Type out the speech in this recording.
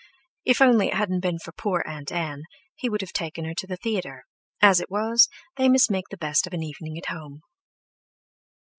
If only it hadn't been for poor Aunt Ann, he would have taken her to the theatre; as it was, they must make the best of an evening at home.